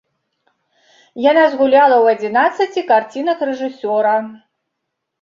Яна згуляла ў адзінаццаці карцінах рэжысёра.